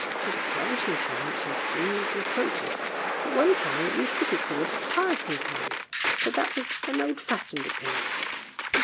It is a flourishing town, which has steamers and coaches. At one time it used to be called a tiresome town, 1 but that was an old fashioned opinion.